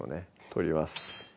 取ります